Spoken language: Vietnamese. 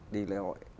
đi lễ hội